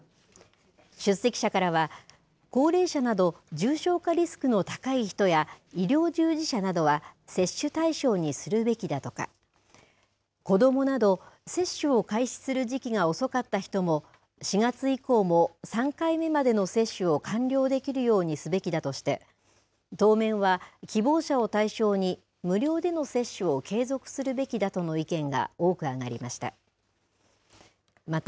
出席者からは、高齢者など重症化リスクの高い人や医療従事者などは接種対象にするべきだとか、子どもなど接種を開始する時期が遅かった人も、４月以降も３回目までの接種を完了できるようにすべきだとして、当面は希望者を対象に、無料での接種を継続するべきだとの意見が多く上がりました。